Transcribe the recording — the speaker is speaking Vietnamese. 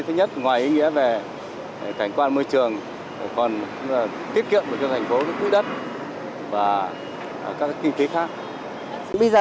thứ nhất ngoài ý nghĩa về cảnh quan môi trường còn tiết kiệm được cho thành phố quỹ đất và các kinh tế khác